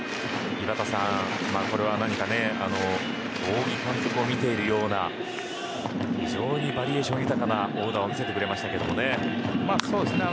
井端さん、これは何か仰木監督を見ているような非常にバリエーション豊かなオーダーを見せてくれましたけどね。